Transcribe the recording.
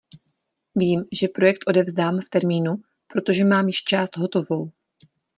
Vím, že projekt odevzdám v termínu, protože mám již část hotovou.